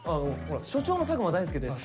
「所長の佐久間大介です」。